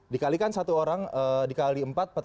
dikalikan satu orang dikali empat